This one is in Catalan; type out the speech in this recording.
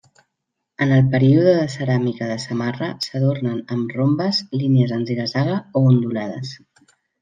En el període de ceràmica de Samarra s'adornen amb rombes, línies en ziga-zaga o ondulades.